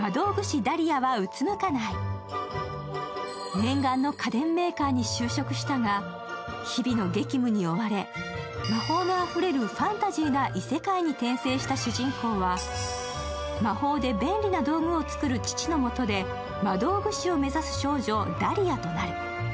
念願の家電メーカーに就職したが日々の激務に追われ魔法のあふれるファンタジーな異世界に転生した主人公は魔法で便利な道具を作る父の元で魔導具師を目指す少女・ダリヤとなる。